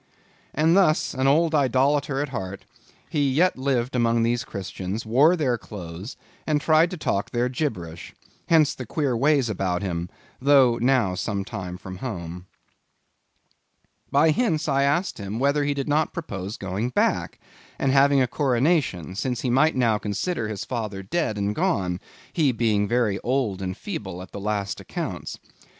And thus an old idolator at heart, he yet lived among these Christians, wore their clothes, and tried to talk their gibberish. Hence the queer ways about him, though now some time from home. By hints, I asked him whether he did not propose going back, and having a coronation; since he might now consider his father dead and gone, he being very old and feeble at the last accounts.